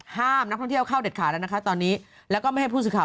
ห้ามนักท่องเที่ยวเข้าเด็ดขาแล้วก็ไม่ให้ผู้สึกข่าว